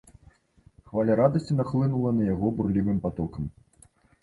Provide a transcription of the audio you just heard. Хваля радасці нахлынула на яго бурлівым патокам.